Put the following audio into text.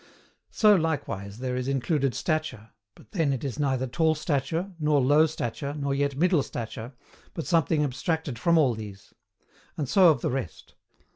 So likewise there is included stature, but then it is neither tall stature, nor low stature, nor yet middle stature, but something abstracted from all these. And so of the rest.